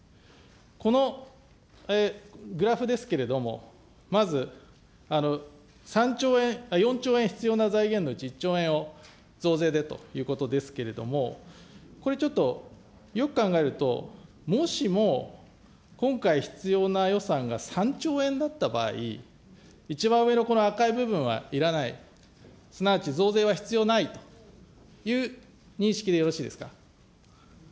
このグラフですけれども、まず、３兆円、４兆円必要な財源のうち１兆円を増税でということですけれども、これ、ちょっとよく考えると、もしも今回必要な予算が３兆円だった場合、一番上のこの赤い部分はいらない、すなわち増税は必要ないという認識でよろしいですか。